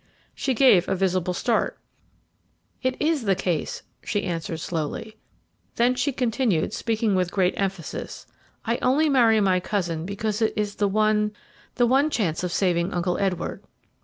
"She gave a visible start. "'It is the case,' she answered slowly. Then she continued, speaking with great emphasis, 'I only marry my cousin because it is the one the one chance of saving Uncle Edward.'